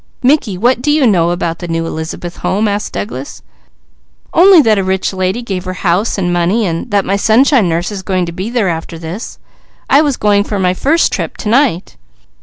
"Mickey, what do you know about the new Elizabeth Home?" asked Douglas. "Only that a rich lady gave her house and money, and that my Sunshine Nurse is going to be there after this. I was going for my first trip to night."